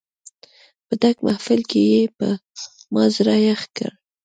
په ډک محفل کې یې په ما زړه یخ کړ.